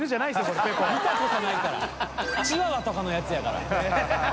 チワワとかのやつやから。